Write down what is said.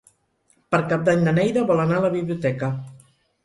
Per Cap d'Any na Neida vol anar a la biblioteca.